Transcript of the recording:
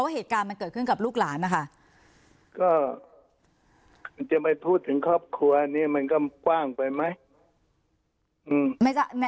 เหตุการณ์มันเกิดขึ้นกับลูกหลานนะคะก็จะไปพูดถึงครอบครัวนี้มันก็กว้างไปไหม